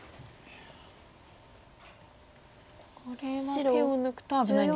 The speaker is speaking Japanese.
これは手を抜くと危ないんですね。